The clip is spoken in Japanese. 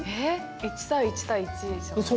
１対１対１じゃないんですか？